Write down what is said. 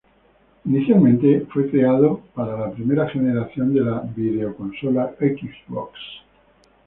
Inicialmente fue creado para la primera generación de la videoconsola Xbox.